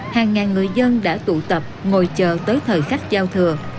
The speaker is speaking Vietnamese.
hàng ngàn người dân đã tụ tập ngồi chờ tới thời khắc giao thừa